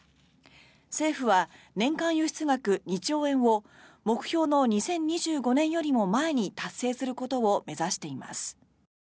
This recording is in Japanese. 政府は年間輸出額２兆円を目標の２０２５年よりも前に達成することを目指しています。